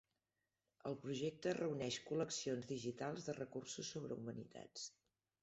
El projecte reuneix col·leccions digitals de recursos sobre humanitats.